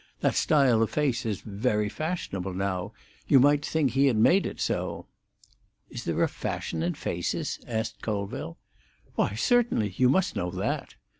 That style of face is very fashionable now: you might think he had made it so." "Is there a fashion in faces?" asked Colville. "Why, certainly. You must know that."